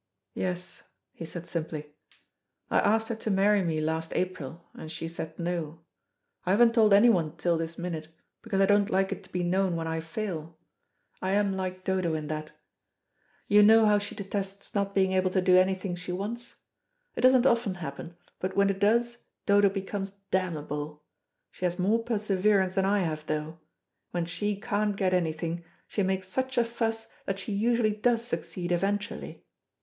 "Yes," he said simply. "I asked her to marry me last April, and she said 'No.' I haven't told anyone till this minute, because I don't like it to be known when I fail. I am like Dodo in that. You know how she detests not being able to do anything she wants. It doesn't often happen, but when it does, Dodo becomes damnable. She has more perseverance than I have, though. When she can't get anything, she makes such a fuss that she usually does succeed eventually.